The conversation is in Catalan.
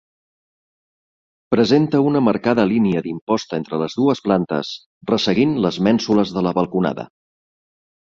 Presenta una marcada línia d'imposta entre les dues plantes, resseguint les mènsules de la balconada.